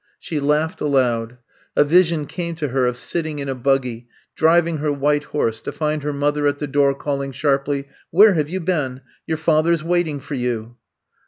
She laughed aloud. A vision came to her of sitting in a buggy, driving her white horse, to find her mother at the door call ing sharply: ^^ Where have you been! Your father ^s waiting for you.